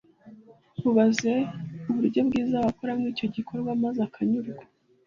mubaze uburyo bwiza wakoramo icyo gikorwa maze akanyurwa